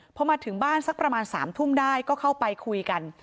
พอมาถึงบ้านสักประมาณ๓ทุ่มได้ก็เข้าไปคุยกัน